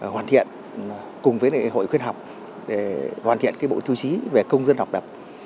hoàn thiện cùng với hội khuyến học để hoàn thiện bộ tiêu chí về công dân học tập